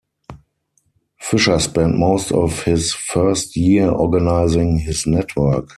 Fisher spent most of his first year organizing his network.